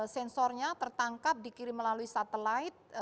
sensornya tertangkap dikirim melalui satelit